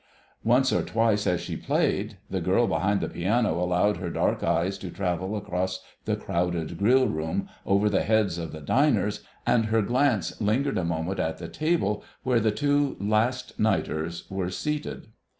Once or twice as she played, the girl behind the piano allowed her dark eyes to travel across the crowded grill room over the heads of the diners, and her glance lingered a moment at the table where the two "last nighters" were seated.